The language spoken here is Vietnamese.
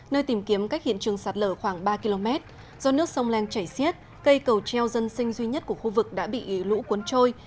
nơi tìm kiếm cách hiện trường sạt lở khoảng ba km do nước sông leng chảy xiết cây cầu treo dân sinh duy nhất của khu vực đã bị lũ cuốn trôi